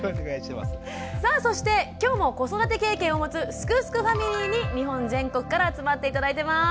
さあそして今日も子育て経験を持つ「すくすくファミリー」に日本全国から集まって頂いてます。